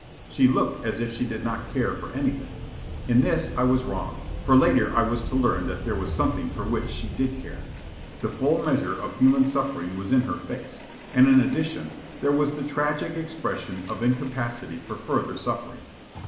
She looked as if she did not care for anything in this I was wrong, for later I was to learn that there was something for which she did care. The full measure of human suffering was in her face, and, in addition, there was the tragic expression of incapacity for further suffering.